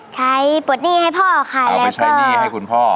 ใช้บทหนี้ให้พ่อค่ะเอาไปใช้หนี้ให้คุณพ่อ